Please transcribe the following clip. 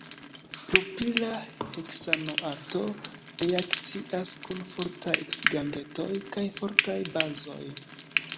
Propila heksanoato reakcias kun fortaj oksidigagentoj kaj fortaj bazoj.